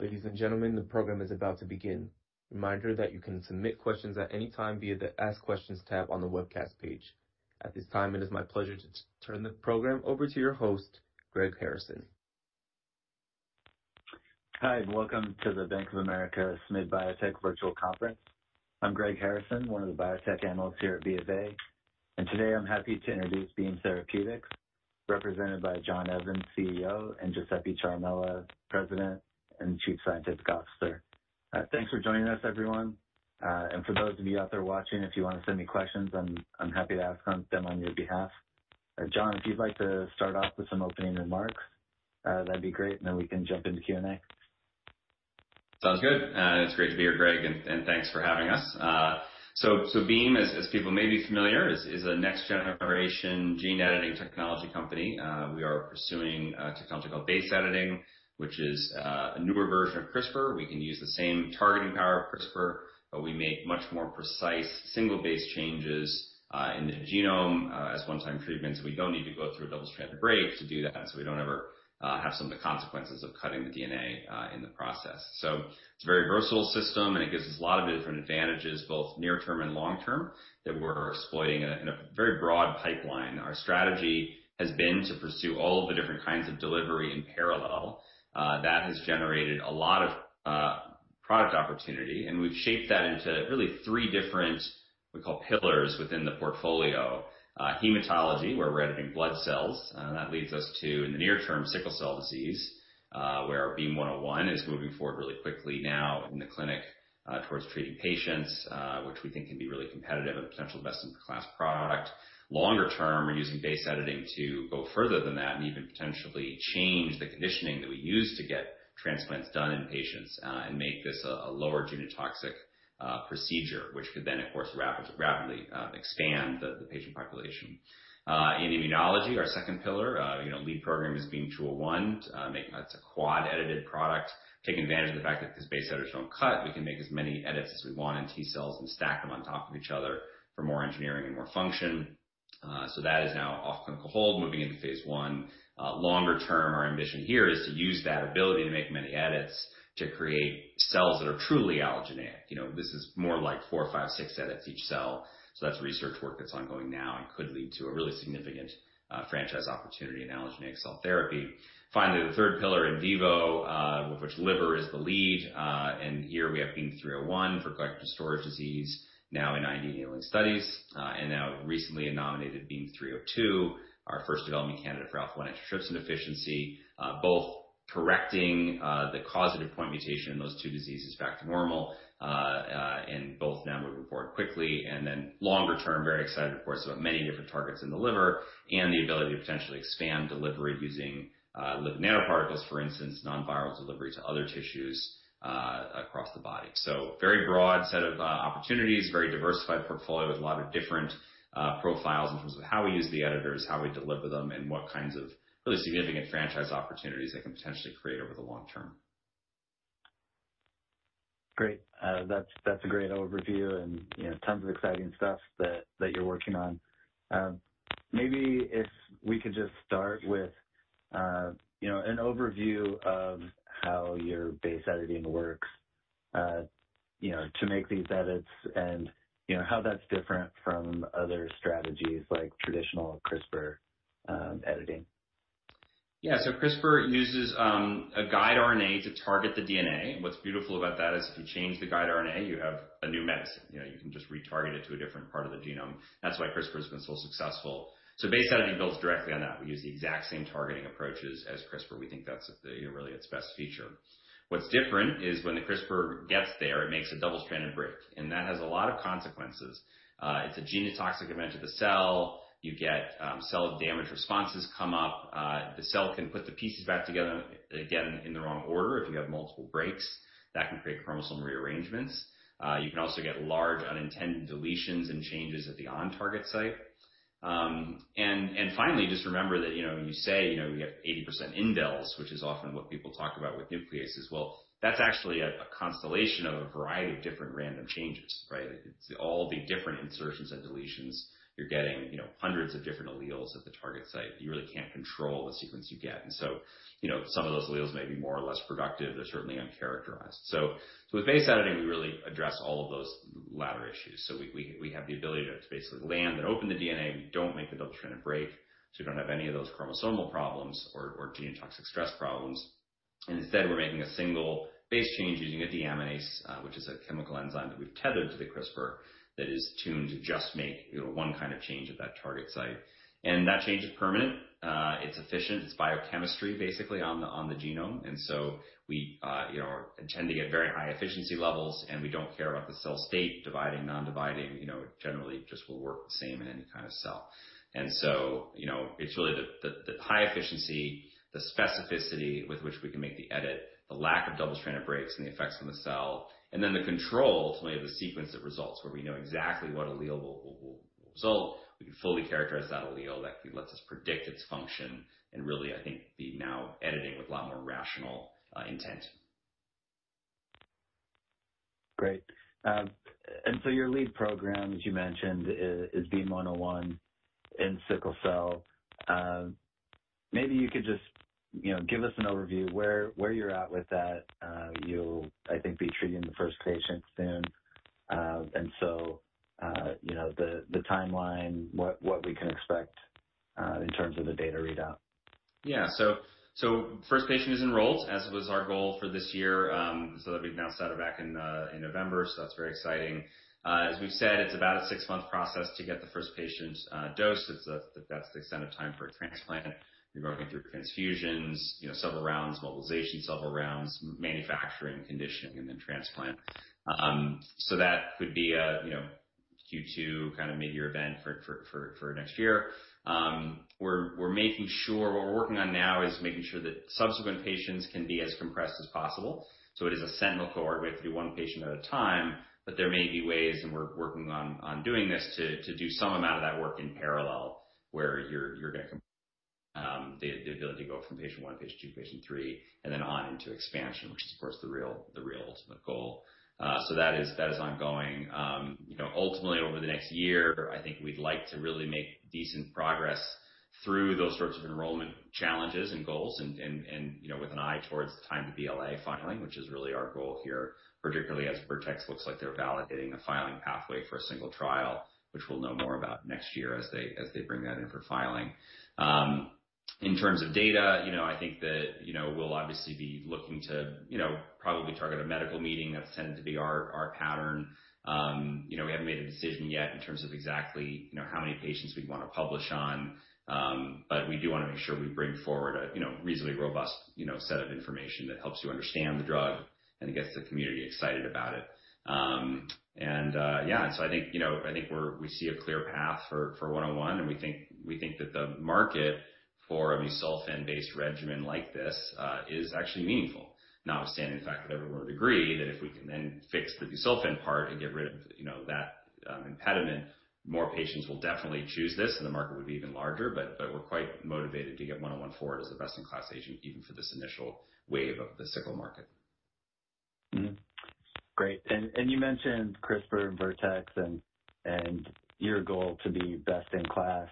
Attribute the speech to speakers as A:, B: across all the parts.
A: Ladies and gentlemen, the program is about to begin. Reminder that you can submit questions at any time via the Ask Questions tab on the webcast page. At this time, it is my pleasure to turn the program over to your host, Greg Harrison.
B: Hi, welcome to the Bank of America Smith Biotech Virtual Conference. I'm Greg Harrison, one of the biotech analysts here at B of A. Today I'm happy to introduce Beam Therapeutics, represented by John Evans, CEO, and Giuseppe Ciaramella, President and Chief Scientific Officer. Thanks for joining us, everyone. For those of you out there watching, if you wanna send me questions, I'm happy to ask them on your behalf. John, if you'd like to start off with some opening remarks, that'd be great, and then we can jump into Q&A.
C: Sounds good. It's great to be here, Greg, and thanks for having us. Beam, as people may be familiar, is a next-generation gene editing technology company. We are pursuing a technology called base editing, which is a newer version of CRISPR. We can use the same targeting power of CRISPR, but we make much more precise single base changes in the genome. As one-time treatments, we don't need to go through a double strand of break to do that, so we don't ever have some of the consequences of cutting the DNA in the process. It's a very versatile system, and it gives us a lot of different advantages, both near term and long term, that we're exploiting in a very broad pipeline. Our strategy has been to pursue all of the different kinds of delivery in parallel. That has generated a lot of product opportunity, and we've shaped that into really three different, we call pillars within the portfolio. Hematology, where we're editing blood cells. That leads us to, in the near term, sickle cell disease, where BEAM-101 is moving forward really quickly now in the clinic, towards treating patients, which we think can be really competitive and potential best-in-class product. Longer term, we're using base editing to go further than that and even potentially change the conditioning that we use to get transplants done in patients, and make this a lower genotoxic procedure, which could then, of course, rapidly expand the patient population. In immunology, our second pillar, you know, lead program is BEAM-201. That's a quad-edited product, taking advantage of the fact that because base editors don't cut, we can make as many edits as we want in T-cells and stack them on top of each other for more engineering and more function. That is now off clinical hold, moving into phase 1. Longer term, our ambition here is to use that ability to make many edits to create cells that are truly allogeneic. You know, this is more like four, five, six edits each cell. That's research work that's ongoing now and could lead to a really significant franchise opportunity in allogeneic cell therapy. Finally, the third pillar in vivo, with which liver is the lead. Here we have BEAM-301 for Glycogen Storage Disease, now in IND-enabling studies. Now recently nominated BEAM-302, our first development candidate for alpha-1 antitrypsin deficiency, both correcting the causative point mutation in those two diseases back to normal. Both now we report quickly. Longer term, very excited, of course, about many different targets in the liver and the ability to potentially expand delivery using lipid nanoparticles, for instance, non-viral delivery to other tissues across the body. Very broad set of opportunities, very diversified portfolio with a lot of different profiles in terms of how we use the editors, how we deliver them, and what kinds of really significant franchise opportunities they can potentially create over the long term.
B: Great. That's a great overview and, you know, tons of exciting stuff that you're working on. Maybe if we could just start with, you know, an overview of how your base editing works, you know, to make these edits and, you know, how that's different from other strategies like traditional CRISPR editing.
C: CRISPR uses a guide RNA to target the DNA. What's beautiful about that is if you change the guide RNA, you have a new medicine. You know, you can just retarget it to a different part of the genome. That's why CRISPR has been so successful. Base editing builds directly on that. We use the exact same targeting approaches as CRISPR. We think that's the, you know, really its best feature. What's different is when the CRISPR gets there, it makes a double-stranded break, and that has a lot of consequences. It's a genotoxic event to the cell. You get cell damage responses come up. The cell can put the pieces back together again in the wrong order. If you have multiple breaks, that can create chromosomal rearrangements. You can also get large unintended deletions and changes at the on-target site. Finally, just remember that, you know, when you say, you know, we have 80% indels, which is often what people talk about with nucleases, well, that's actually a constellation of a variety of different random changes, right? It's all the different insertions and deletions. You're getting, you know, hundreds of different alleles at the target site. You really can't control the sequence you get. Some of those alleles may be more or less productive. They're certainly uncharacterized. With base editing, we really address all of those latter issues. We have the ability to basically land and open the DNA. We don't make the double-stranded break, so we don't have any of those chromosomal problems or genotoxic stress problems. Instead, we're making a single base change using a deaminase, which is a chemical enzyme that we've tethered to the CRISPR that is tuned to just make, you know, one kind of change at that target site. That change is permanent. It's efficient. It's biochemistry basically on the, on the genome. We, you know, are intending at very high efficiency levels, and we don't care about the cell state, dividing, non-dividing. You know, it generally just will work the same in any kind of cell. You know, it's really the, the high efficiency, the specificity with which we can make the edit, the lack of double strand of breaks and the effects on the cell, and then the control, ultimately, of the sequence that results, where we know exactly what allele will result. We can fully characterize that allele that lets us predict its function and really, I think, be now editing with a lot more rational intent.
B: Great. Your lead program, as you mentioned, is BEAM-101 in sickle cell. Maybe you could just, you know, give us an overview where you're at with that. You'll, I think, be treating the first patient soon. You know, the timeline, what we can expect in terms of the data readout.
C: First patient is enrolled as was our goal for this year, so that we've now started back in November. That's very exciting. As we've said, it's about a six-month process to get the first patient dose. That's the extent of time for a transplant. You're going through transfusions, you know, several rounds, mobilization, several rounds, manufacturing, conditioning, and then transplant. That could be a, you know, Q2 kind of mid-year event for next year. What we're working on now is making sure that subsequent patients can be as compressed as possible. It is a sentinel cohort. We have to do one patient at a time, there may be ways, and we're working on doing this to do some amount of that work in parallel, where you're going to the ability to go from patient one to patient two, patient three, and then on into expansion, which is of course the real ultimate goal. That is ongoing. You know, ultimately over the next year, I think we'd like to really make decent progress through those sorts of enrollment challenges and goals and, you know, with an eye towards the time to BLA filing, which is really our goal here, particularly as Vertex looks like they're validating a filing pathway for a single trial, which we'll know more about next year as they bring that in for filing. In terms of data, you know, I think that, you know, we'll obviously be looking to, you know, probably target a medical meeting. That's tended to be our pattern. You know, we haven't made a decision yet in terms of exactly, you know, how many patients we'd want to publish on. But we do wanna make sure we bring forward a, you know, reasonably robust, you know, set of information that helps you understand the drug and gets the community excited about it. I think, you know, I think we see a clear path for one oh one, and we think that the market for a busulfan-based regimen like this is actually meaningful. Notwithstanding the fact that everyone would agree that if we can then fix the busulfan part and get rid of, you know, that impediment, more patients will definitely choose this and the market would be even larger. We're quite motivated to get 101 forward as a best-in-class agent, even for this initial wave of the sickle market.
B: Mm-hmm. Great. You mentioned CRISPR and Vertex and your goal to be best in class.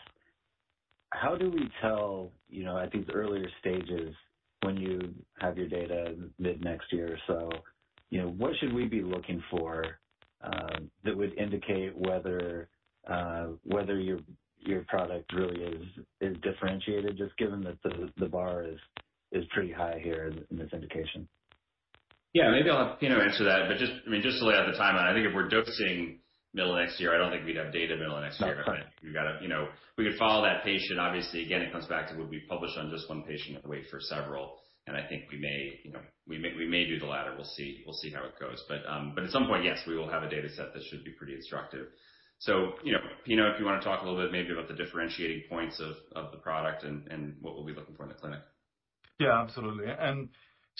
B: How do we tell, you know, at these earlier stages when you have your data mid-next year or so, you know, what should we be looking for that would indicate whether your product really is differentiated, just given that the bar is pretty high here in this indication?
C: Maybe I'll have Pino answer that. I mean, just to lay out the timeline, I think if we're dosing middle of next year, I don't think we'd have data middle of next year.
B: Okay.
C: You know, we could follow that patient. Obviously, again, it comes back to would we publish on just one patient or wait for several, and I think we may, you know, we may do the latter. We'll see. We'll see how it goes. At some point, yes, we will have a data set that should be pretty instructive. You know, Pino, if you wanna talk a little bit maybe about the differentiating points of the product and what we'll be looking for in the clinic.
D: Yeah, absolutely.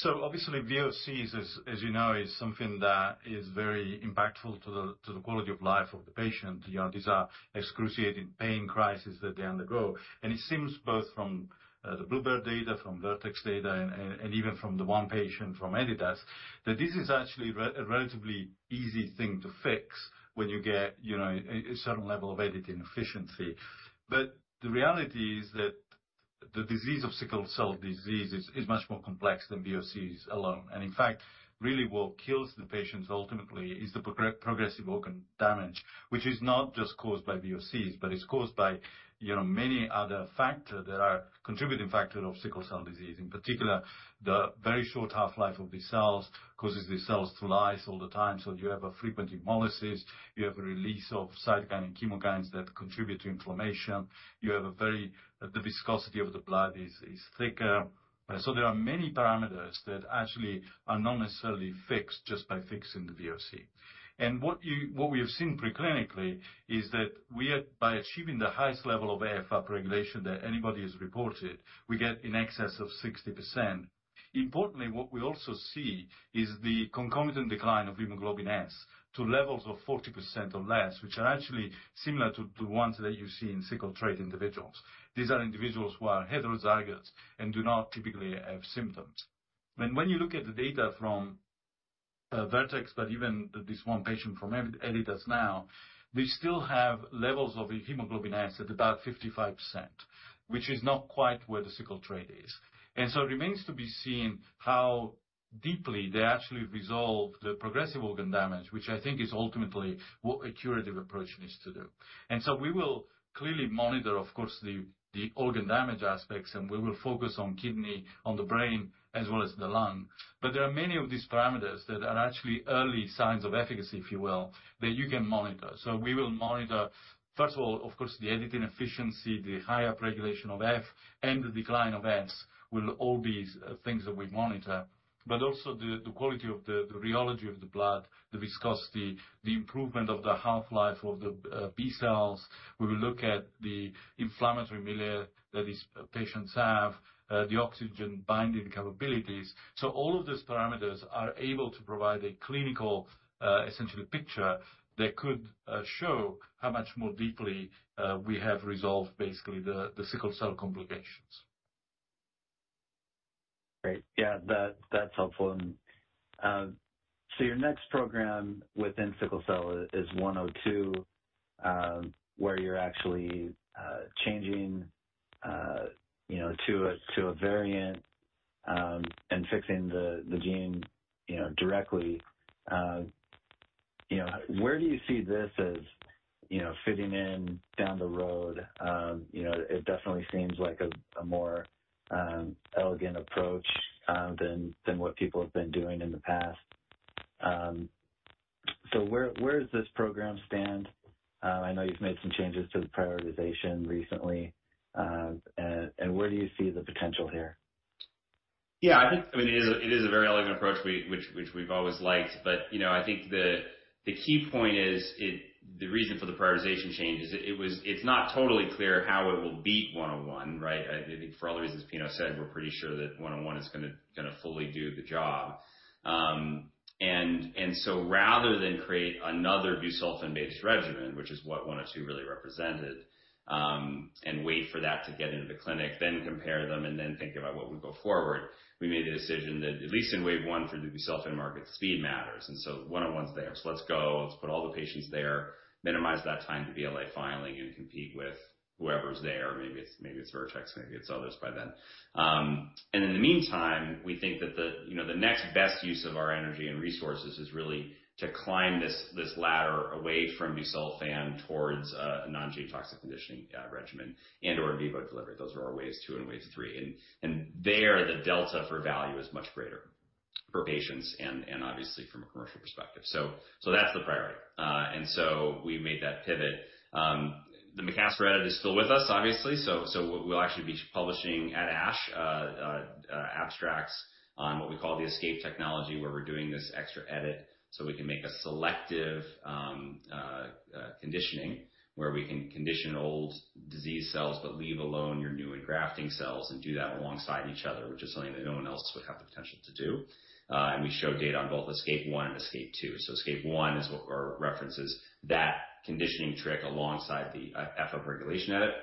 D: Obviously, VOCs as you know is something that is very impactful to the quality of life of the patient. You know, these are excruciating pain crises that they undergo. It seems both from the bluebird data, from Vertex data and even from the one patient from Editas, that this is actually a relatively easy thing to fix when you get, you know, a certain level of editing efficiency. The reality is that the disease of sickle cell disease is much more complex than VOCs alone. In fact, really what kills the patients ultimately is the progressive organ damage, which is not just caused by VOCs, but it's caused by, you know, many other factor that are contributing factor of sickle cell disease. In particular, the very short half-life of these cells causes these cells to lyse all the time. You have a frequent hemolysis, you have a release of cytokine and chemokines that contribute to inflammation. The viscosity of the blood is thicker. There are many parameters that actually are not necessarily fixed just by fixing the VOC. What we have seen pre-clinically is that by achieving the highest level of F upregulation that anybody has reported, we get in excess of 60%. Importantly, what we also see is the concomitant decline of hemoglobin S to levels of 40% or less, which are actually similar to ones that you see in sickle trait individuals. These are individuals who are heterozygotes and do not typically have symptoms. When you look at the data from Vertex, but even this one patient from Editas now, they still have levels of hemoglobin S at about 55%, which is not quite where the sickle trait is. It remains to be seen how deeply they actually resolve the progressive organ damage, which I think is ultimately what a curative approach needs to do. We will clearly monitor, of course, the organ damage aspects, and we will focus on kidney, on the brain as well as the lung. There are many of these parameters that are actually early signs of efficacy, if you will, that you can monitor. We will monitor, first of all, of course, the editing efficiency, the high upregulation of F and the decline of S will all be things that we monitor. The quality of the rheology of the blood, the viscosity, the improvement of the half-life of the B-cells. We will look at the inflammatory milieu that these patients have, the oxygen binding capabilities. All of these parameters are able to provide a clinical, essentially picture that could show how much more deeply we have resolved basically the sickle cell complications.
B: Great. Yeah, that's helpful. Your next program within sickle cell is BEAM-102, where you're actually changing, you know, to a variant, and fixing the gene, you know, directly. You know, where do you see this as, you know, fitting in down the road? It definitely seems like a more elegant approach than what people have been doing in the past. Where does this program stand? I know you've made some changes to the prioritization recently, and where do you see the potential here?
C: I think, I mean, it is, it is a very elegant approach which we've always liked. You know, I think the key point is the reason for the prioritization change is it's not totally clear how it will beat one oh one, right? I think for all the reasons Pino said, we're pretty sure that one oh one is gonna fully do the job. Rather than create another busulfan-based regimen, which is what one oh two really represented, and wait for that to get into the clinic, then compare them and then think about what would go forward, we made the decision that at least in wave one for the busulfan market, speed matters, one oh one's there. Let's go, let's put all the patients there, minimize that time to BLA filing and compete with whoever's there. Maybe it's, maybe it's Vertex, maybe it's others by then. In the meantime, we think that the, you know, the next best use of our energy and resources is really to climb this ladder away from busulfan towards a non-G toxic conditioning regimen and/or AAV delivery. Those are our waves two and waves three. There the delta for value is much greater for patients and obviously from a commercial perspective. That's the priority. We made that pivot. The Makassar edit is still with us, obviously. We'll actually be publishing at ASH, abstracts on what we call the ESCAPE technology, where we're doing this extra edit, so we can make a selective conditioning where we can condition old disease cells but leave alone your new engrafting cells and do that alongside each other, which is something that no one else would have the potential to do. We show data on both ESCAPE-1 and ESCAPE-2. ESCAPE-1 is what references that conditioning trick alongside the F of regulation edit.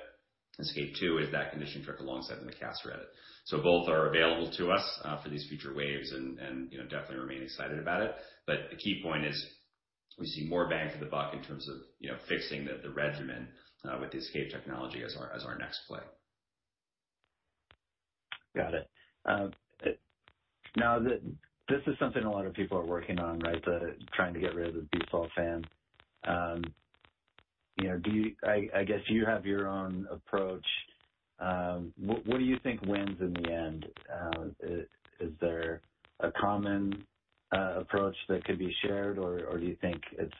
C: ESCAPE-2 is that conditioning trick alongside the Makassar edit. Both are available to us for these future waves and, you know, definitely remain excited about it. The key point is we see more bang for the buck in terms of, you know, fixing the regimen, with the ESCAPE technology as our, as our next play.
B: Got it. Now this is something a lot of people are working on, right? The trying to get rid of the busulfan. You know, I guess you have your own approach. What do you think wins in the end? Is there a common approach that could be shared or do you think it's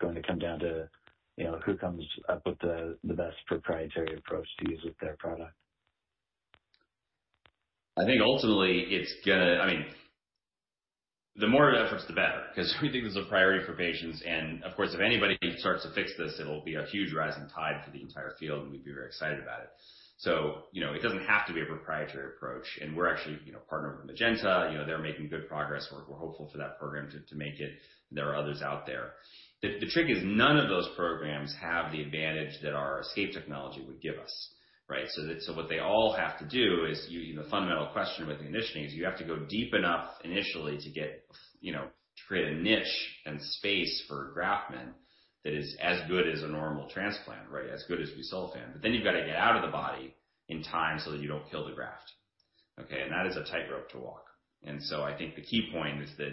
B: going to come down to, you know, who comes up with the best proprietary approach to use with their product?
C: I mean, the more efforts the better, 'cause we think this is a priority for patients. Of course, if anybody starts to fix this, it'll be a huge rising tide for the entire field, and we'd be very excited about it. You know, it doesn't have to be a proprietary approach. We're actually, you know, partnered with Magenta. You know, they're making good progress. We're hopeful for that program to make it. There are others out there. The trick is none of those programs have the advantage that our ESCAPE technology would give us, right? What they all have to do is, you know, fundamental question with the conditioning is you have to go deep enough initially to get, you know, to create a niche and space for graftment that is as good as a normal transplant, right? As good as busulfan. You've got to get out of the body in time so that you don't kill the graft, okay? That is a tightrope to walk. I think the key point is that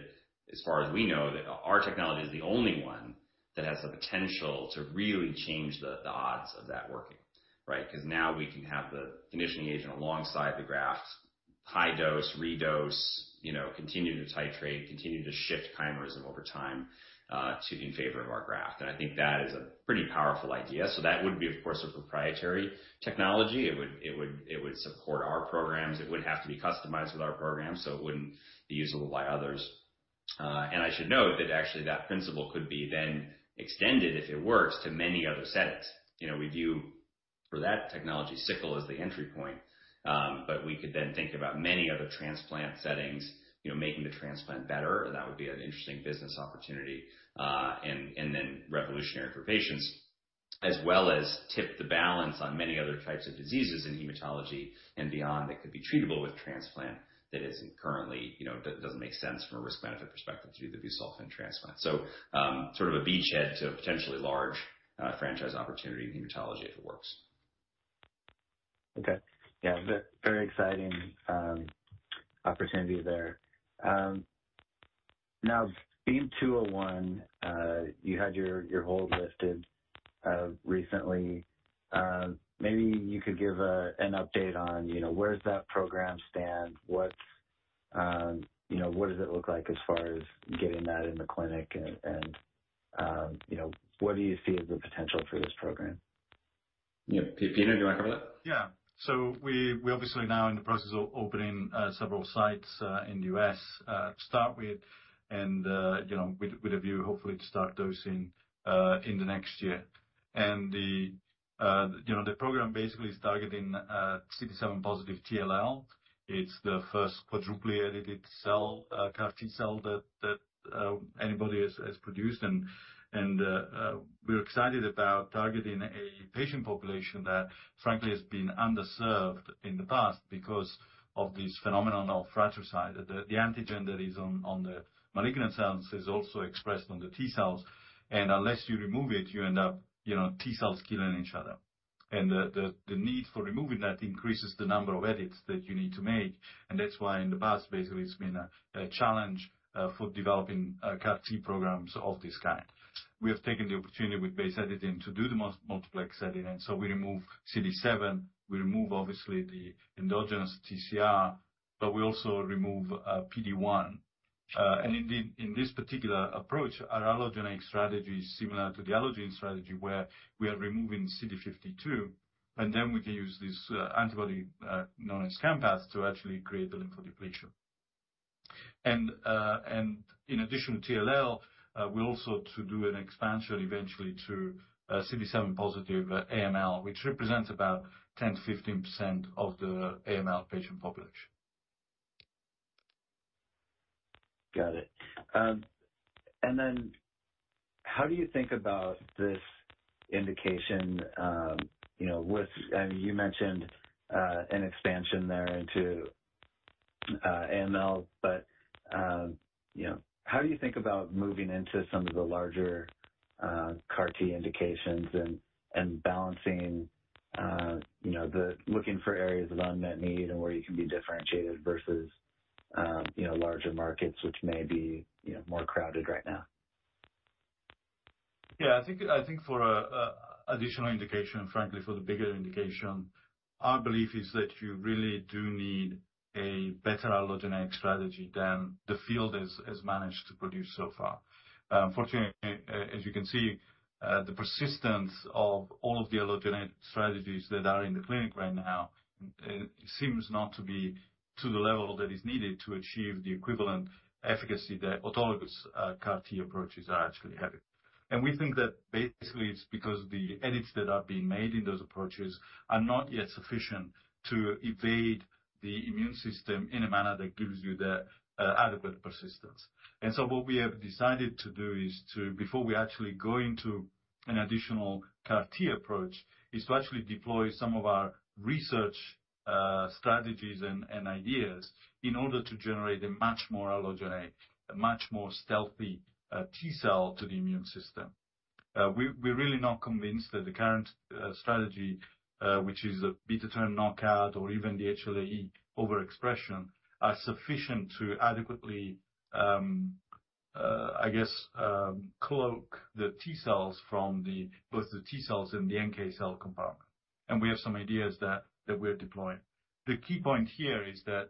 C: as far as we know, that our technology is the only one that has the potential to really change the odds of that working, right? 'Cause now we can have the conditioning agent alongside the graft, high dose, redose, you know, continue to titrate, continue to shift chimerism over time in favor of our graft. I think that is a pretty powerful idea. That would be, of course, a proprietary technology. It would support our programs. It would have to be customized with our program, so it wouldn't be usable by others. I should note that actually that principle could be then extended, if it works, to many other settings. You know, we view for that technology sickle as the entry point, but we could then think about many other transplant settings, you know, making the transplant better. That would be an interesting business opportunity, and then revolutionary for patients, as well as tip the balance on many other types of diseases in hematology and beyond that could be treatable with transplant that isn't currently, you know, doesn't make sense from a risk-benefit perspective to do the busulfan transplant. sort of a beachhead to a potentially large franchise opportunity in hematology if it works.
B: Okay. Yeah, very exciting opportunity there. Now BEAM-201, you had your hold lifted recently. Maybe you could give an update on, you know, where does that program stand? What, you know, what does it look like as far as getting that in the clinic and, you know, what do you see as the potential for this program?
C: Yeah. Pino, do you wanna cover that?
D: Yeah. We're obviously now in the process of opening several sites in the U.S. to start with and, you know, with a view hopefully to start dosing in the next year. The, you know, the program basically is targeting CD7 positive T-ALL. It's the first quadruple edited cell CAR-T cell that anybody has produced and we're excited about targeting a patient population that, frankly, it's been underserved in the past because of this phenomenon of fratricide. The antigen that is on the malignant cells is also expressed on the T cells. Unless you remove it, you end up, you know, T cells killing each other. The need for removing that increases the number of edits that you need to make, and that's why in the past, basically, it's been a challenge for developing CAR-T programs of this kind. We have taken the opportunity with base editing to do the multiplex editing, so we remove CD7, we remove obviously the endogenous TCR, but we also remove PD-1. Indeed, in this particular approach, our allogeneic strategy is similar to the allogeneic strategy, where we are removing CD52, and then we can use this antibody known as Campath to actually create the lymphodepletion. In addition to ALL, we're also to do an expansion eventually to CD7 positive AML, which represents about 10%-15% of the AML patient population.
B: Got it. How do you think about this indication, you know, with... I mean, you mentioned, an expansion there into AML, you know. How do you think about moving into some of the larger CAR-T indications and balancing, you know, the looking for areas of unmet need and where you can be differentiated versus, you know, larger markets which may be, you know, more crowded right now?
D: Yeah. I think for a additional indication, frankly for the bigger indication, our belief is that you really do need a better allogeneic strategy than the field has managed to produce so far. Unfortunately, as you can see, the persistence of all of the allogeneic strategies that are in the clinic right now seems not to be to the level that is needed to achieve the equivalent efficacy that autologous CAR-T approaches are actually having. We think that basically it's because the edits that are being made in those approaches are not yet sufficient to evade the immune system in a manner that gives you the adequate persistence. What we have decided to do is to... before we actually go into an additional CAR-T approach, is to actually deploy some of our research strategies and ideas in order to generate a much more allogeneic, a much more stealthy T-cell to the immune system. We're really not convinced that the current strategy, which is a beta-globin gene knockout or even the HLA E overexpression, are sufficient to adequately I guess cloak the T cells from both the T cells and the NK cell compartment. We have some ideas that we're deploying. The key point here is that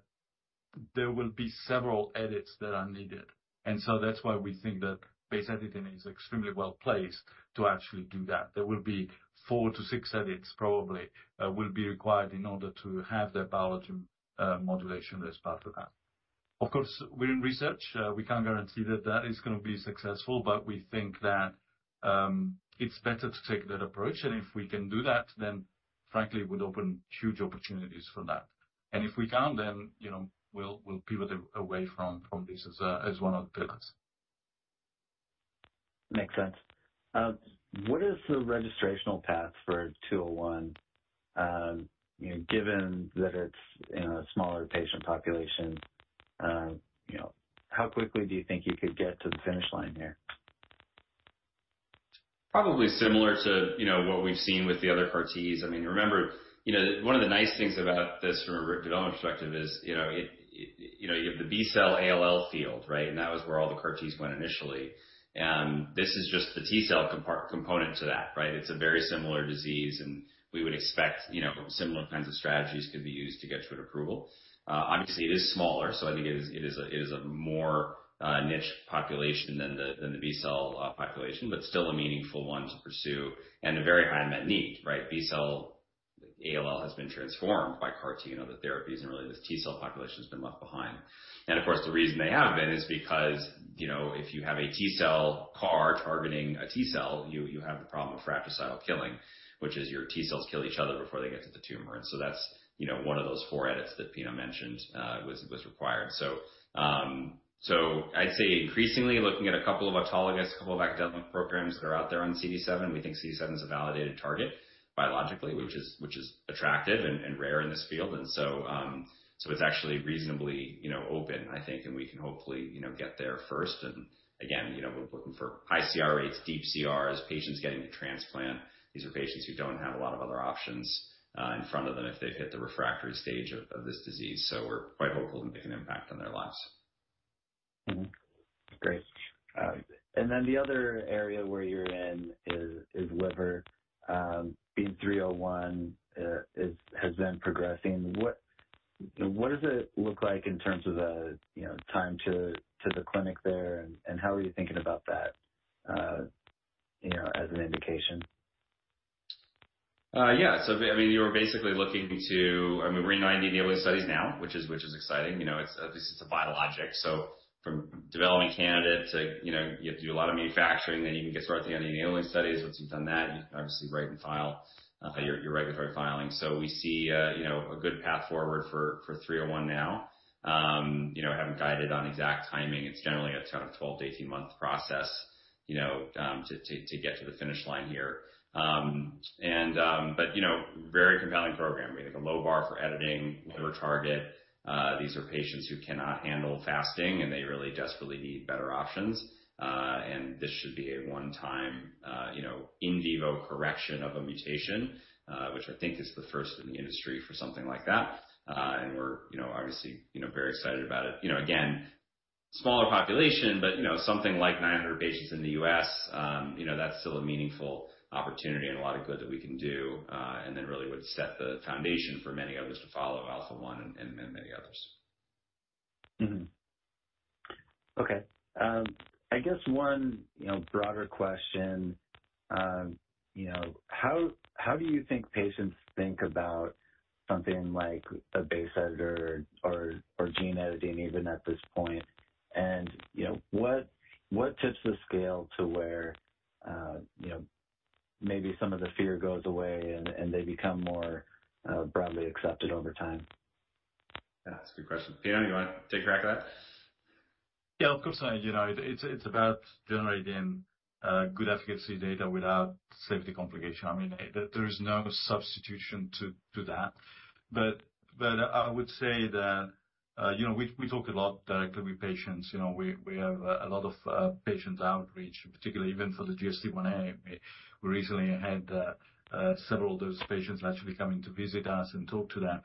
D: there will be several edits that are needed. That's why we think that base editing is extremely well placed to actually do that. There will be four to six edits probably will be required in order to have that biological modulation as part of that. Of course, we're in research. We can't guarantee that that is gonna be successful, but we think that it's better to take that approach, and if we can do that, then frankly, it would open huge opportunities for that. If we can't, then, you know, we'll pivot away from this as one of the options.
B: Makes sense. What is the registrational path for BEAM-201, you know, given that it's in a smaller patient population, you know, how quickly do you think you could get to the finish line here?
C: Probably similar to, you know, what we've seen with the other CAR-Ts. I mean, remember, you know, one of the nice things about this from a development perspective is, you know, it, you know, you have the B-cell ALL field, right? That was where all the CAR-Ts went initially. This is just the T-cell component to that, right? It's a very similar disease, and we would expect, you know, similar kinds of strategies could be used to get to an approval. Obviously it is smaller, I think it is, it is a, it is a more niche population than the, than the B-cell population, but still a meaningful one to pursue and a very high unmet need, right? B-cell ALL has been transformed by CAR-T, you know, the therapies and really this T-cell population has been left behind. Of course, the reason they have been is because, you know, if you have a T-cell CAR targeting a T-cell, you have the problem of fratricidal killing, which is your T-cells kill each other before they get to the tumor. That's, you know, one of those four edits that Pino mentioned was required. I'd say increasingly, looking at a couple of autologous, a couple of academic programs that are out there on CD7, we think CD7 is a validated target biologically, which is attractive and rare in this field. It's actually reasonably, you know, open, I think, and we can hopefully, you know, get there first. Again, you know, we're looking for high CR rates, deep CRs, patients getting transplant. These are patients who don't have a lot of other options, in front of them if they've hit the refractory stage of this disease. We're quite hopeful it'll make an impact on their lives.
B: Mm-hmm. Great. Then the other area where you're in is liver. BEAM-301 has been progressing. What does it look like in terms of the, you know, time to the clinic there and how are you thinking about that, you know, as an indication?
C: Yeah. I mean, you're basically looking to... I mean, we're in our enabling studies now, which is, which is exciting. You know, it's, this is a biologic, so from developing candidate to, you know, you have to do a lot of manufacturing, then you can get started on the enabling studies. Once you've done that, you can obviously write and file, your regulatory filing. We see, you know, a good path forward for BEAM-301 now. You know, haven't guided on exact timing. It's generally a kind of 12 to 18 month process, you know, to get to the finish line here. But, you know, very compelling program. We think a low bar for editing liver target. These are patients who cannot handle fasting, and they really desperately need better options. This should be a one-time, you know, in vivo correction of a mutation, which I think is the first in the industry for something like that. We're, you know, obviously, you know, very excited about it. You know, again, smaller population, but, you know, something like 900 patients in the U.S., you know, that's still a meaningful opportunity and a lot of good that we can do. Then really would set the foundation for many others to follow Alpha-1 and many others.
B: Okay. I guess one, you know, broader question, you know, how do you think patients think about something like a base editor or gene editing even at this point? You know, what tips the scale to where, you know, maybe some of the fear goes away and they become more broadly accepted over time?
C: That's a good question. Pino, you wanna take a crack at that?
D: Yeah, of course. You know, it's about generating good efficacy data without safety complication. I mean, there is no substitution to that. I would say that, you know, we talk a lot directly with patients. You know, we have a lot of patient outreach, particularly even for the GSDIa. We recently had several of those patients actually coming to visit us and talk to them.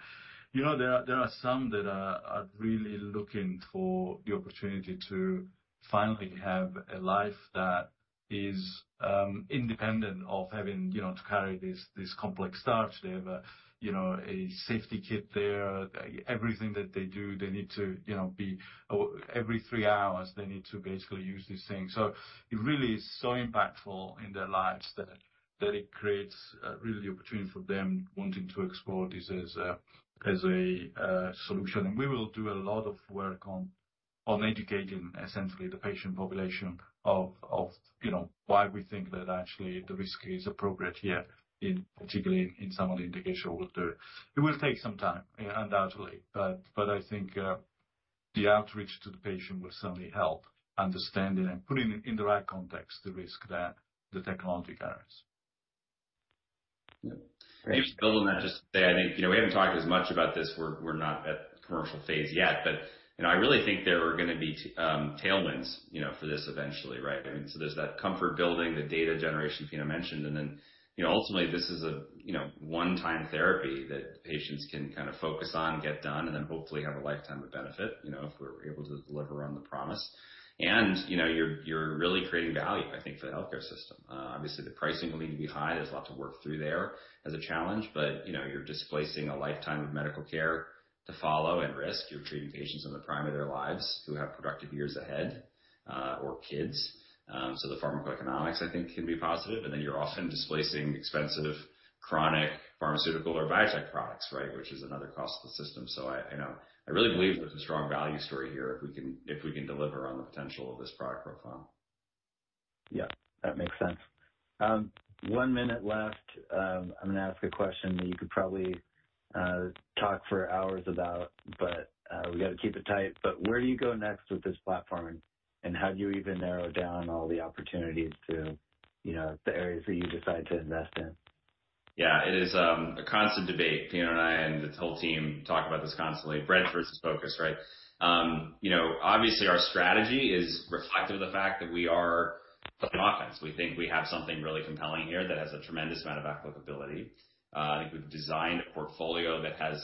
D: You know, there are some that are really looking for the opportunity to finally have a life that is independent of having, you know, to carry this complex starch. They have a, you know, a safety kit there. Everything that they do, they need to, you know, be. Every three hours, they need to basically use this thing. It really is so impactful in their lives that it creates really the opportunity for them wanting to explore this as a, as a solution. We will do a lot of work on educating essentially the patient population of, you know, why we think that actually the risk is appropriate here, in particularly in some of the indication with the. It will take some time, undoubtedly, but I think the outreach to the patient will certainly help understand it and put it in the right context, the risk that the technology carries.
C: Yeah. Maybe I'll build on that just to say, I think, you know, we haven't talked as much about this. We're, we're not at commercial phase yet. You know, I really think there are gonna be tailwinds, you know, for this eventually, right? I mean, so there's that comfort building, the data generation Pino mentioned. Then, you know, ultimately, this is a, you know, one-time therapy that patients can kind of focus on, get done, and then hopefully have a lifetime of benefit, you know, if we're able to deliver on the promise. You know, you're really creating value, I think, for the healthcare system. Obviously, the pricing will need to be high. There's a lot to work through there as a challenfe. You know, you're displacing a lifetime of medical care to follow and risk. You're treating patients in the prime of their lives who have productive years ahead, or kids. The pharmacoeconomics, I think, can be positive. You're often displacing expensive chronic pharmaceutical or biotech products, right? Which is another cost to the system. I, you know, I really believe there's a strong value story here if we can, if we can deliver on the potential of this product profile.
B: Yeah, that makes sense. One minute left. I'm gonna ask a question that you could probably talk for hours about, but we gotta keep it tight. Where do you go next with this platform, and how do you even narrow down all the opportunities to, you know, the areas that you decide to invest in?
C: Yeah. It is a constant debate. Pino and I and the whole team talk about this constantly. Breadth versus focus, right? You know, obviously, our strategy is reflective of the fact that we are playing offense. We think we have something really compelling here that has a tremendous amount of applicability. I think we've designed a portfolio that has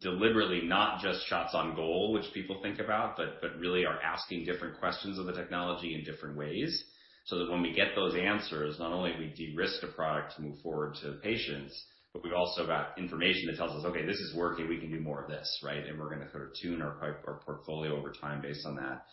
C: deliberately not just shots on goal, which people think about, but really are asking different questions of the technology in different ways, so that when we get those answers, not only we de-risk a product to move forward to patients, but we've also got information that tells us, "Okay, this is working. We can do more of this," right? We're gonna sort of tune our portfolio over time based on that.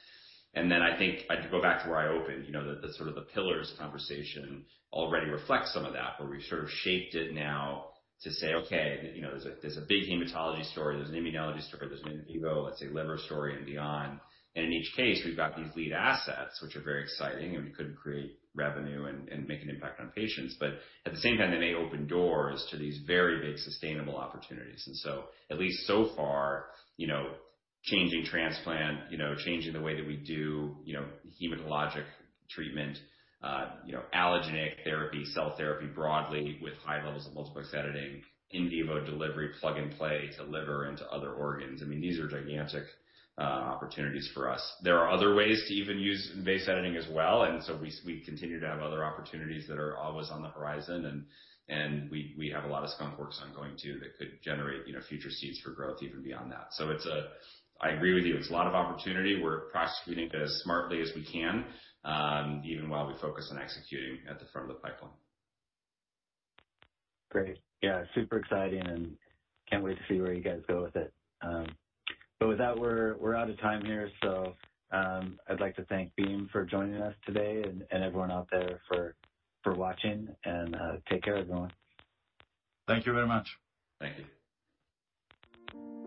C: Then I think I'd go back to where I opened, you know. The sort of the pillars conversation already reflects some of that, where we've sort of shaped it now to say, "Okay, you know, there's a big hematology story, there's an immunology story, there's an in vivo, let's say, liver story, and beyond." In each case, we've got these lead assets, which are very exciting and we could create revenue and make an impact on patients. At the same time, they may open doors to these very big sustainable opportunities. At least so far, you know, changing transplant, you know, changing the way that we do, you know, hematologic treatment, you know, allogeneic therapy, cell therapy broadly with high levels of multiplex editing, in vivo delivery, plug and play to liver and to other organs. I mean, these are gigantic opportunities for us. There are other ways to even use base editing as well. We continue to have other opportunities that are always on the horizon and we have a lot of skunk works ongoing too that could generate, you know, future seeds for growth even beyond that. I agree with you. It's a lot of opportunity. We're prosecuting it as smartly as we can, even while we focus on executing at the front of the pipeline.
B: Great. Yeah. Super exciting and can't wait to see where you guys go with it. With that, we're out of time here. I'd like to thank Beam for joining us today and everyone out there for watching, and take care, everyone.
D: Thank you very much.
C: Thank you.